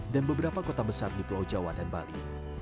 dan beberapa kota besar di pulau jawa dan bali